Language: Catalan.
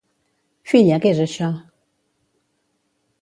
Filla què és això?